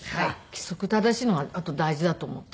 規則正しいのは大事だと思っています。